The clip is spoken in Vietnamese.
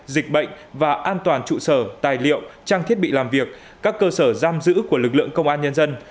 dịch bệnh và an toàn trụ sở tài liệu trang thiết bị làm việc các cơ sở giam giữ của lực lượng công an nhân dân